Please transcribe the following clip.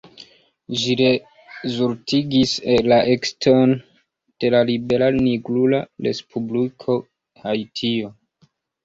Ĝi rezultigis la ekeston de la libera nigrula respubliko Haitio.